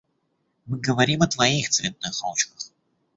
Мы говорим о твоих цветных ручках.